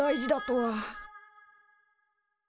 は